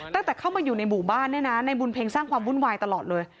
ตั้งแต่เข้ามาอยู่ในหมู่บ้านเนี่ยนะในบุญเพ็งสร้างความวุ่นวายตลอดเลย